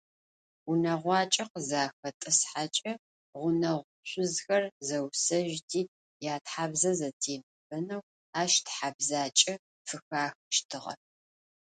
Унэгъуакӏэ къызахэтӏысхьэкӏэ, гъунэгъу шъузхэр зэусэжьти, ятхьабзэ зэтемыфэнэу ащ тхьабзакӏэ фыхахыщтыгъэ.